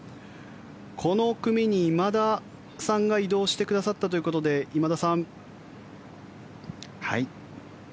この組に今田さんが移動してくださったということではい。